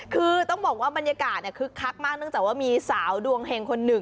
คือต้องบอกว่ามันยากาารเนี้ยคึกคักมากนึกถึงจะว่ามีสาวดวงแห่งคนหนึ่ง